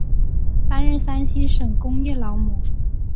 担任山西省工业劳模。